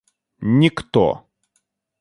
никто